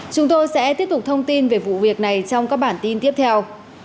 chúng tôi sẽ tiếp tục thông tin về vụ việc này trong các bản tin tiếp theo